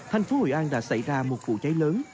thành phố hội an đã xảy ra một vụ cháy lớn